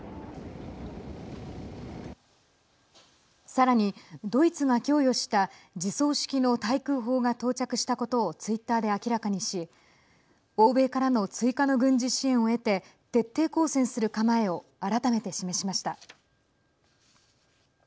さらに、ドイツが供与した自走式の対空砲が到着したことをツイッターで明らかにし欧米からの追加の軍事支援を得て徹底抗戦する構えを改めて示しました。